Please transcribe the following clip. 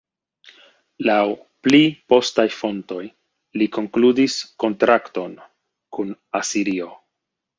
Laŭ pli postaj fontoj li konkludis kontrakton kun Asirio.